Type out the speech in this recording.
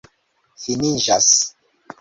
finiĝas